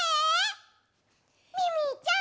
ミミィちゃん